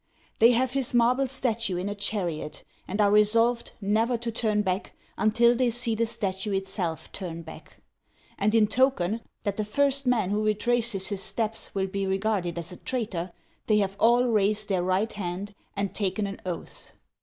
They have his marble statue in a chariot, and are resolved never to turn back until they see the statue itself turn back. And in token that the first man who retraces his steps will be regarded as a traitor, they have all raised their right hand and taken an oath.